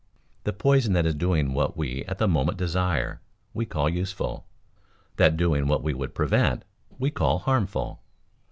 The poison that is doing what we at the moment desire, we call useful; that doing what we would prevent, we call harmful.